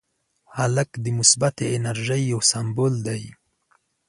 هلک د مثبتې انرژۍ یو سمبول دی.